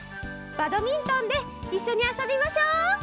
バドミントンでいっしょにあそびましょう！